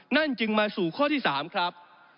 จึงมาสู่ข้อที่๓ครับ